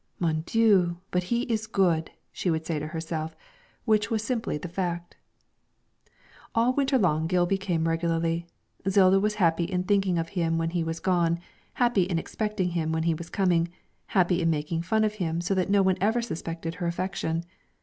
'Mon Dieu, but he is good!' she would say to herself, which was simply the fact. All winter long Gilby came regularly. Zilda was happy in thinking of him when he was gone, happy in expecting him when he was coming, happy in making fun of him so that no one ever suspected her affection.